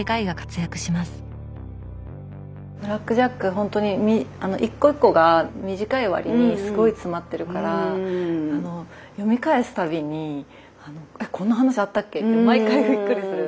ほんとに一個一個が短い割にすごい詰まってるから読み返すたびにこんな話あったっけって毎回びっくりする。